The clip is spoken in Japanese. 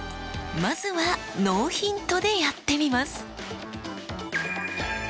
まずはノーヒントでやってみます。